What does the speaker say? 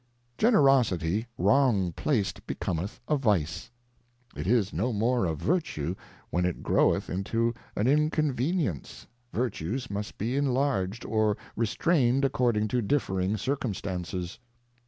Generosity wrong placed becometh a Vice. It is no more a Vertue when it groweth into an Inconvenience, Vertues miist be inlarged or restrained according to differing Circumstances.